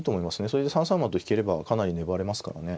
それで３三馬と引ければかなり粘れますからね。